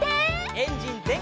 エンジンぜんかい！